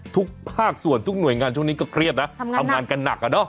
ทุกภาคส่วนทุกหน่วยงานช่วงนี้ก็เครียดนะทำงานกันหนักอะเนาะ